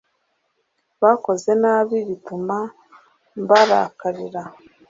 bakoze nabi bituma mbarakarira